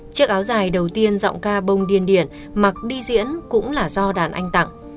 chiếc áo dài đầu tiên giọng ca bông điên điển mặc đi diễn cũng là do đàn anh tặng